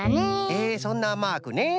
えそんなマークね。